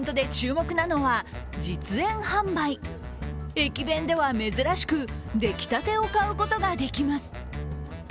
駅弁では珍しく、出来たてを買うことができます。